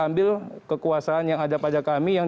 ambil kekuasaan yang ada pada kami yang